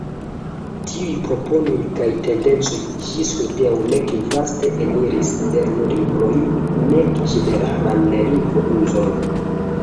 Tiuj proponoj kaj tendencoj ĝis hodiaŭ nek vaste eniris lernolibrojn, nek ĝeneralan lingvo-uzon.